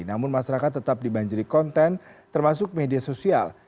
namun masyarakat tetap dibanjiri konten termasuk media sosial